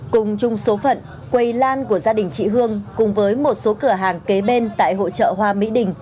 cùng chung số phận quầy lan của gia đình chị hương cùng với một số cửa hàng kế bên tại hội trợ hoa mỹ đình